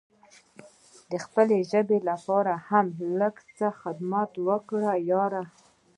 د خپلې ژبې لپاره هم لږ څه خدمت وکړه یاره!